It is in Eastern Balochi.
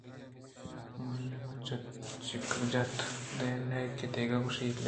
آئی ءَ نہ چکّ جت ءُنئے کہ دگہ کشے لیٹ اِت